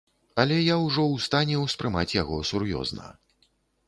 Але я ўжо ў стане ўспрымаць яго сур'ёзна.